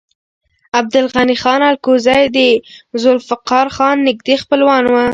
عبدالغني خان الکوزی د ذوالفقار خان نږدې خپلوان و.